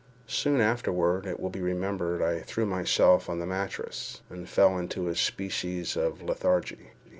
Soon afterward, it will be remembered, I threw myself on the mattress, and fell into a species of lethargy.